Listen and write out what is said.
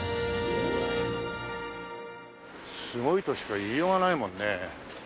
すごいとしか言いようがないもんね。